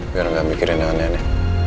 biar gak mikirin yang aneh aneh